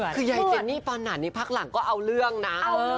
คือใยเจนนี่ปานานนี้ภาคหลังก็เอาเรื่องนะ